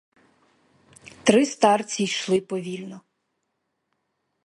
Три старці йшли повільно.